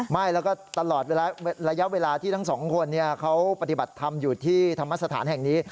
ไม่แล้วก็ตลอดระยะเวลาที่ทั้งสองคนเขาปฏิบัติธรรมอยู่ที่ธรรมสถานแห่งนี้